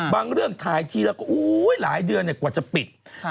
เรื่องถ่ายทีแล้วก็หลายเดือนกว่าจะปิด